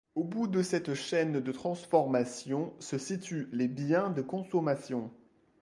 Au bout de cette chaîne de transformation se situent les biens de consommation.